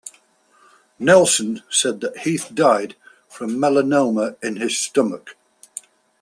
Nelson said that Heath died from melanoma in his stomach.